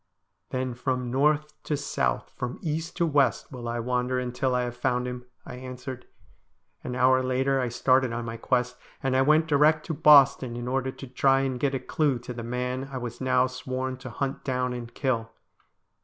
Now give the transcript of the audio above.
' Then from north to south, from east to west, will I wander until I Lave found him,' I answered. An hour later I started on my quest, and I went direct to Boston in order to try and get a clue to the man I was now sworn to hunt down and kill.